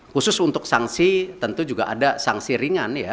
khusus untuk sanksi tentu juga ada sanksi ringan ya